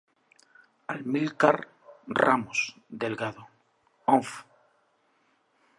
Amílcar Ramos Delgado ofm.